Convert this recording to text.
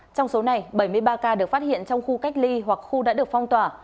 trong số này bảy mươi ba ca được phát hiện trong khu cách ly hoặc khu đã được phong tỏa